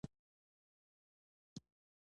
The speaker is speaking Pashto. پنېر د کور جوړ خواړه دي.